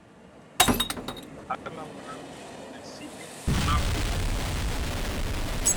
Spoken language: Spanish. Ha colaborado con el sitio mafi.tv.